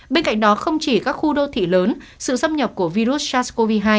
bên cạnh đó không chỉ các khu đô thị lớn sự xâm nhập của virus sars cov hai